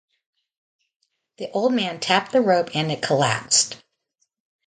The old man tapped the rope and it collapsed.